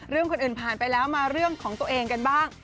คนอื่นผ่านไปแล้วมาเรื่องของตัวเองกันบ้าง